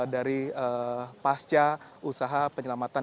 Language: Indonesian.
dari pasca usaha penyelamatan